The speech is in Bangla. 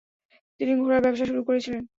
তিনি ঘোড়ার ব্যবসা শুরু করেছিলেন।